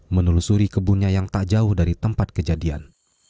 menelusuri kebunnya yang tak jauh dari tempat kejadian